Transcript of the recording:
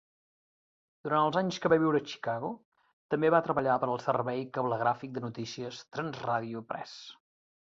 Durant els anys que va viure a Chicago, també va treballar per al servei cablegràfic de notícies Trans-Radio Press.